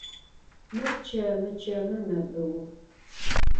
Mır çemı, çemır mebıu.